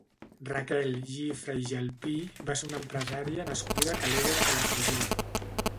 Raquel Gifre i Gelpí va ser una empresària nascuda a Calella de Palafrugell.